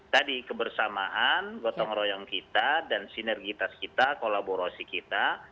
tadi kebersamaan gotong royong kita dan sinergitas kita kolaborasi kita